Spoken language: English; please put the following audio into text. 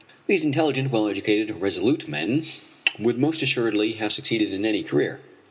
These intelligent, well educated, resolute men would most assuredly have succeeded in any career.